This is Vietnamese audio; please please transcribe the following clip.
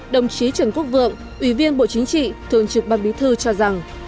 đồng chí trần quốc vượng ủy viên bộ chính trị thường trực ban bí thư cho rằng